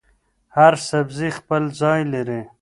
هر سبزي خپل ځای لري.